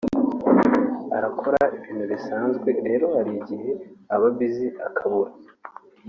arakora ibintu bisanzwe rero hari igihe aba busy akabura